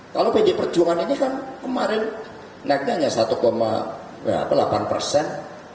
kalau pd perjuangan ini kan kemarin naiknya hanya satu delapan persen